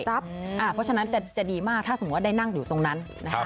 เพราะฉะนั้นจะดีมากถ้าสมมุติว่าได้นั่งอยู่ตรงนั้น